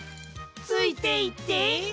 ついていって？